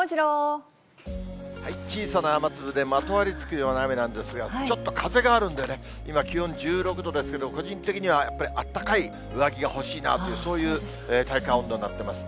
小さな雨粒でまとわりつくような雨なんですが、ちょっと風があるんでね、今、気温１６度ですけど、個人的にはやっぱりあったかい上着が欲しいなという、そういう体感温度になってます。